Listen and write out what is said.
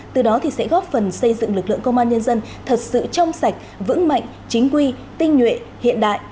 từ đó sẽ góp phần xây dựng lực lượng công an nhân dân thật sự trong sạch vững mạnh chính quy tinh nhuệ hiện đại